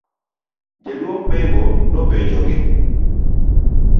jaduong' Mengo nopenjogi